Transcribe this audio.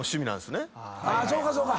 そうかそうか。